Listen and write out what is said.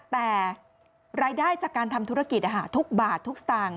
แต่รายได้จากการทำธุรกิจทุกบาททุกสตางค์